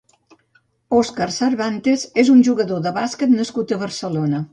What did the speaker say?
Óscar Cervantes és un jugador de bàsquet nascut a Barcelona.